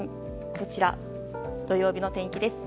こちら、土曜日の天気です。